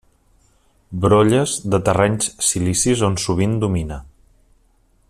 Brolles de terrenys silicis on sovint domina.